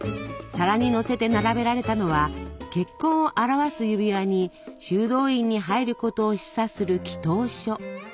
皿にのせて並べられたのは結婚を表す指輪に修道院に入ることを示唆する祈とう書。